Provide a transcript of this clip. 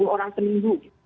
sepuluh orang seminggu